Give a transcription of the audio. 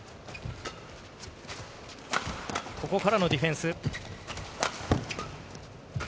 ここからのディフェンス。